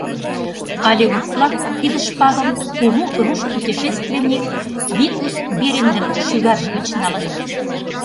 Алеут-влак тиде шпагым кугу руш путешественник Витус Берингын шӱгарже гыч налыныт.